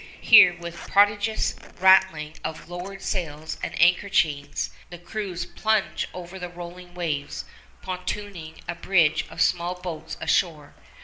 Here, with a prodigious rattling of lowered sails and anchor chains, the crews plunge over the rolling waves, pontooning a bridge of small boats ashore.